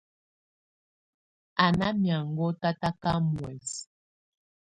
Á ná mɛ̀áŋɔ tataka muɛ̀sɛ.